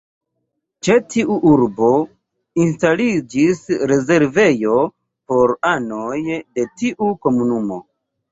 Ĉe tiu urbo instaliĝis rezervejo por anoj de tiu komunumo.